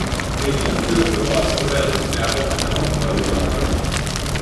Regie führte Orson Welles, der auch eine Hauptrolle übernahm.